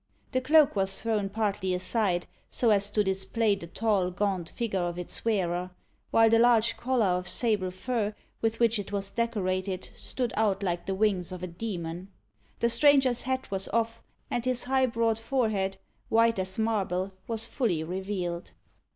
The cloak was thrown partly aside, so as to display the tall, gaunt figure of its wearer; while the large collar of sable fur with which it was decorated stood out like the wings of a demon. The stranger's hat was off, and his high broad forehead, white as marble, was fully revealed.